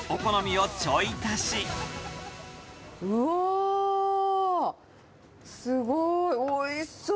うおー、すごい、おいしそう。